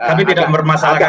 tapi tidak bermasalah kami